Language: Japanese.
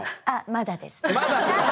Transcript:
まだです。